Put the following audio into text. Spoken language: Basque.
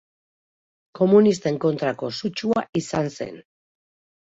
Komunisten kontrako sutsua izan zen.